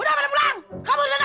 udah malem pulang kabur sana